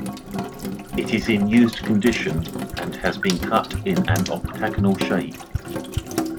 It is in used condition and has been cut in an octagonal shape.